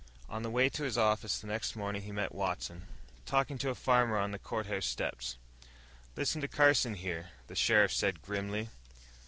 On the way to his office the next morning he met Watson, talking to a farmer on the courthouse steps. "Listen to Carson, here," the sheriff said grimly.